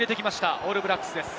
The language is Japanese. オールブラックスです。